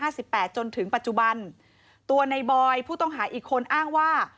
สิบแปดจนถึงปัจจุบันตัวในบอยผู้ต้องหาอีกคนอ้างว่า